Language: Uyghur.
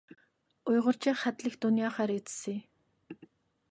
ئۇيغۇرچە خەتلىك دۇنيا خەرىتىسى.